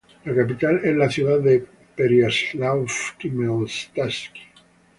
La capital es la ciudad de Pereiáslav-Khmelnytskyi.